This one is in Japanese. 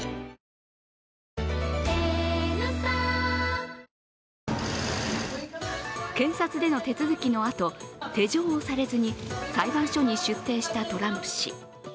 そして検察での手続きの後、手錠をされずに裁判所に出廷したトランプ氏。